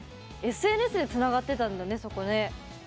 ＳＮＳでつながってたんだねそこね。